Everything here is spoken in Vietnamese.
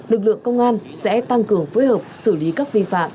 lực lượng công an sẽ tăng cường phối hợp xử lý các vi phạm